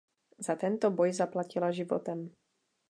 Za tento boj zaplatila životem.